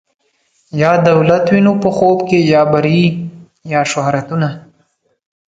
یا دولت وینو په خوب کي یا بری یا شهرتونه